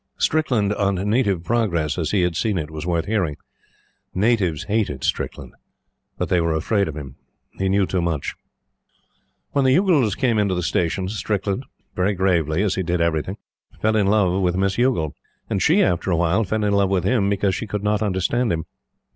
Strickland on Native Progress as he had seen it was worth hearing. Natives hated Strickland; but they were afraid of him. He knew too much. When the Youghals came into the station, Strickland very gravely, as he did everything fell in love with Miss Youghal; and she, after a while, fell in love with him because she could not understand him.